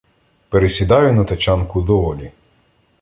Пересідаю на тачанку до Олі.